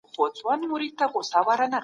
دوی انساني چاپېريال تر مطالعې لاندې نيسي.